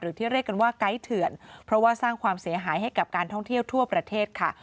ที่เรียกกันว่าไกด์เถื่อนเพราะว่าสร้างความเสียหายให้กับการท่องเที่ยวทั่วประเทศค่ะ